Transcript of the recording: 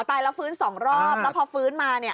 ตายแล้วฟื้นสองรอบแล้วพอฟื้นมาเนี่ย